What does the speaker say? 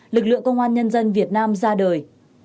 lực lượng công an nhân dân việt nam ra đời